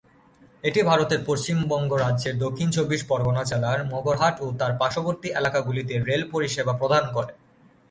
এটি ভারতের পশ্চিমবঙ্গ রাজ্যের দক্ষিণ চব্বিশ পরগনা জেলার মগরাহাট ও তার পার্শ্ববর্তী এলাকাগুলিতে রেল পরিষেবা প্রদান করে।